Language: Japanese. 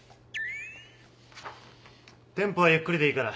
テンポはゆっくりでいいから。